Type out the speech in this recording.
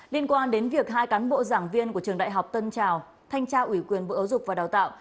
liên quan đến việc hai cán bộ giảng viên của trường đại học tân trào thanh tra ủy quyền bộ giáo dục và đào tạo